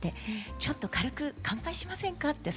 「ちょっと軽く乾杯しませんか」って誘って下さって。